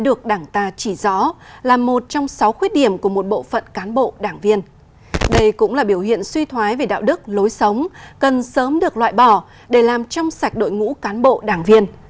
đây cũng là biểu hiện suy thoái về đạo đức lối sống cần sớm được loại bỏ để làm trong sạch đội ngũ cán bộ đảng viên